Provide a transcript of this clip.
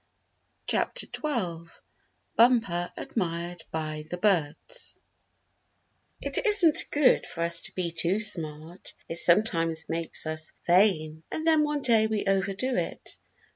STORY XII BUMPER ADMIRED BY THE BIRDS It isn't good for us to be too smart. It sometimes makes us vain, and then one day we overdo it.